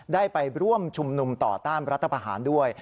ได้ไปร่วมชุมนุมต่อต้านรัฐประหารด้วย